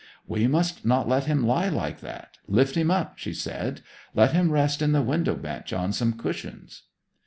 'We must not let him lie like that, lift him up,' she said. 'Let him rest in the window bench on some cushions.'